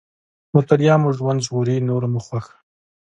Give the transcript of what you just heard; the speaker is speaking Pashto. مطالعه مو ژوند ژغوري، نور مو خوښه.